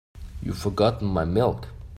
You've forgotten my milk.